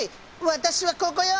私はここよ！